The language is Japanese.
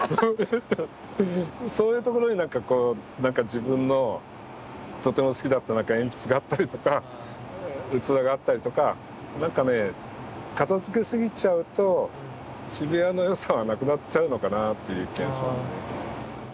そういうところになんかこう自分のとても好きだった鉛筆があったりとか器があったりとかなんかね片づけすぎちゃうと渋谷のよさはなくなっちゃうのかなっていう気がしますね。